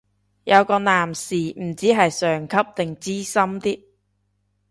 有個男士唔知係上級定資深啲